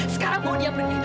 sekarang bawa dia pergi